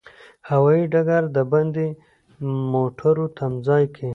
هوایي ډګر د باندې موټرو تمځای کې.